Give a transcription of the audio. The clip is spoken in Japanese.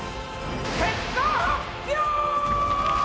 結果発表ー！